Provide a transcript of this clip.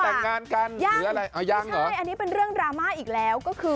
จะต่างงานกันหรืออะไรยังเผาใจอันนี้เป็นเรื่องดราม่าอีกแล้ว